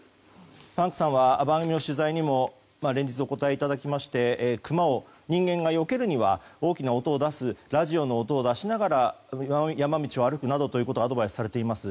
パンクさんは番組の取材にも連日お答えいただきましてクマを人間がよけるには大きな音を出すラジオの音を出しながら山道を歩くなどアドバイスをされています。